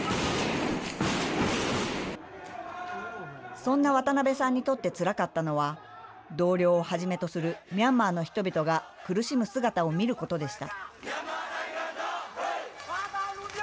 そんな渡辺さんにとってつらかったのは、同僚をはじめとするミャンマーの人々が苦しむ姿を見ることでした。